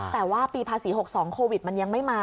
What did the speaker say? แต่ว่าปีภาษี๖๒โควิดมันยังไม่มา